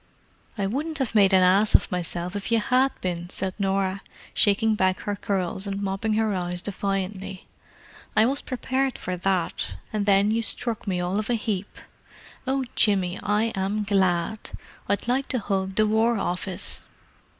"I wouldn't have made an ass of myself if you had been," said Norah, shaking back her curls and mopping her eyes defiantly. "I was prepared for that, and then you struck me all of a heap! Oh, Jimmy, I am glad! I'd like to hug the War Office!"